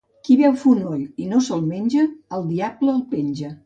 Qui veu fonoll i no se'l menja, el diable el penja.